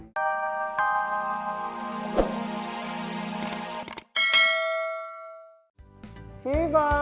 salam samban tante fanny